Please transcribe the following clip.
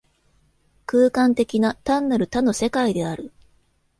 空間的な、単なる多の世界である。